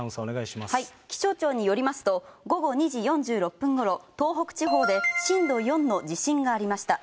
気象庁によりますと、午後２時４６分ごろ、東北地方で震度４の地震がありました。